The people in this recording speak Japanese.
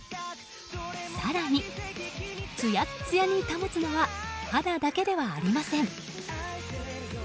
更に、つやつやに保つのは肌だけではありません。